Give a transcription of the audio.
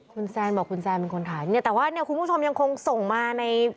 คุณแซนบอกคุณแซนเป็นคนถ่ายเนี่ยแต่ว่าเนี่ยคุณผู้ชมยังคงส่งมาใน